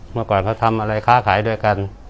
เมื่อก่อนเขาทำอะไรค้าขายด้วยกัน